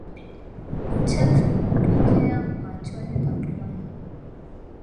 Uchafu kutokea machoni na puani